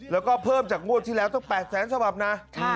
แล้วก็เพิ่มจากงวดที่แล้วตั้ง๘แสนฉบับนะ